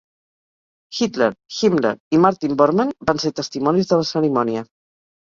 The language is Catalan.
Hitler, Himmler i Martin Bormann van ser testimonis de la cerimònia.